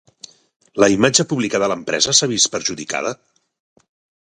La imatge pública de l'empresa s'ha vist perjudicada?